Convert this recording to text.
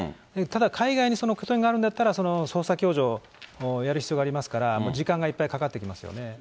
ただ、海外にその拠点があるんだったら、その捜査をやる必要がありますから、時間がいっぱいかかってきますよね。